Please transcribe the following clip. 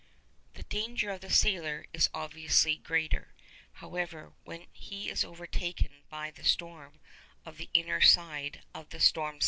The danger of the sailor is obviously greater, however, when he is overtaken by the storm on the inner side of the storm ⊂.